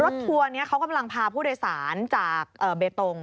ทัวร์นี้เขากำลังพาผู้โดยสารจากเบตง